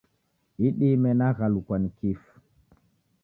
Idime naghalukwa ni kifu.